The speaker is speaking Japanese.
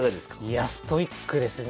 いやストイックですね。